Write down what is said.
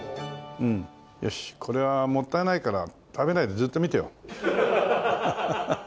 よしこれはもったいないから食べないでずっと見てよう。